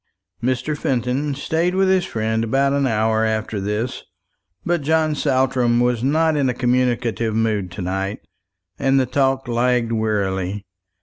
Mr. Fenton stayed with his friend about an hour after this; but John Saltram was not in a communicative mood to night, and the talk lagged wearily.